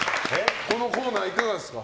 このコーナーいかがですか。